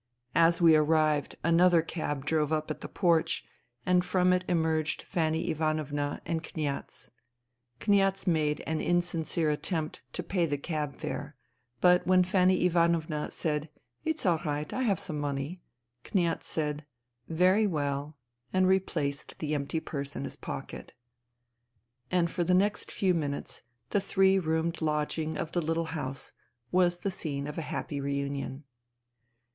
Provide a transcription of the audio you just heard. As we arrived, another cab drove up at the porch, and from it emerged Fanny Ivanovna and Kniaz. Kniaz made an insincere attempt to pay the cab fare ; but when Fanny Ivanovna said "It's all right, I have some money, Kniaz said " Very well,*' and replaced the empty purse in his pocket. ... And for the next few minutes the three roomed lodging of the little house was the scene of a happy reunion.